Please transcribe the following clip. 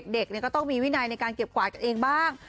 เด็กก็ต้องมีวินัยในการเก็บกวาดกันเองบ้าง